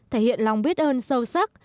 thể hiện lòng biết ơn sâu sắc